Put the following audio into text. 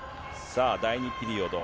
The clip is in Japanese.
さあ、第２ピリオド。